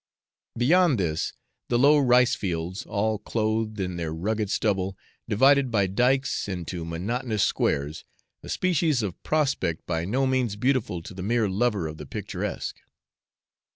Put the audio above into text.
Beyond this, the low rice fields, all clothed in their rugged stubble, divided by dykes into monotonous squares, a species of prospect by no means beautiful to the mere lover of the picturesque.